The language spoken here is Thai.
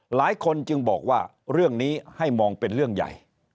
หลายคนจึงบอกว่าเรื่องนี้ให้มองเป็นเรื่องใหญ่